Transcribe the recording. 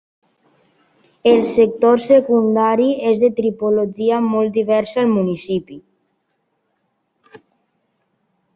El sector secundari és de tipologia molt diversa al municipi.